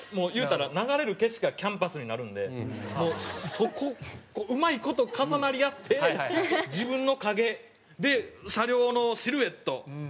言うたら流れる景色がキャンバスになるのでもうそこうまい事重なり合って自分の影で車両のシルエット。